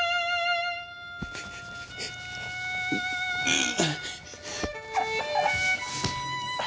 ああ。